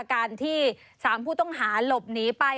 การที่๓ผู้ต้องหาหลบหนีไป